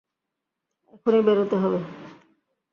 এখনই বেরোতে হবে।